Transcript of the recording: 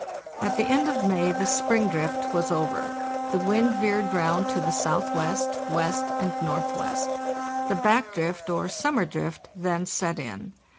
At the end of May the "spring drift" was over. The wind veered round to the S.W., W., and N.W. The back drift or "summer drift' then set in.